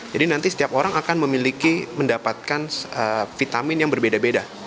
jadi nanti setiap orang akan memiliki mendapatkan vitamin yang berbeda beda